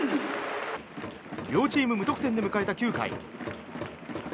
両チーム無得点で迎えた９回。